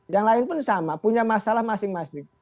yang lain pun sama punya masalah masing masing